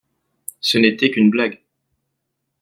Ce n’était qu’une blague.